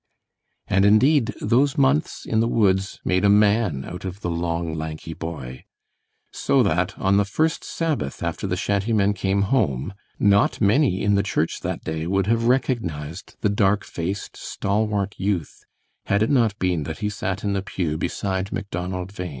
And, indeed, those months in the woods made a man out of the long, lanky boy, so that, on the first Sabbath after the shantymen came home, not many in the church that day would have recognized the dark faced, stalwart youth had it not been that he sat in the pew beside Macdonald Bhain.